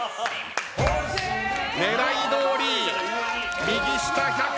狙いどおり右下１００